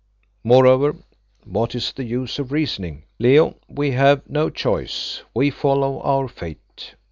Moreover, what is the use of reasoning? Leo, we have no choice; we follow our fate.